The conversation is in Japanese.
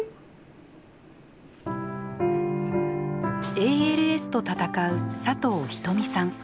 ＡＬＳと闘う佐藤仁美さん。